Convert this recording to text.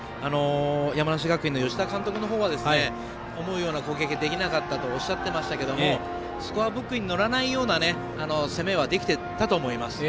山梨学院の吉田監督のほうは思うような攻撃ができなかったとおっしゃってましたけどもスコアブックに載らないような攻めはできていたと思います。